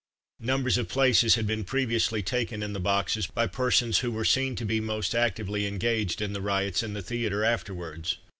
Numbers of places had been previously taken in the boxes, by persons who were seen to be most actively engaged in the riots in the theatre afterwards.